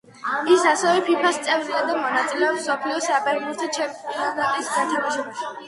ის ასევე ფიფას წევრია და მონაწილეობს მსოფლიო საფეხბურთო ჩემპიონატის გათამაშებაში.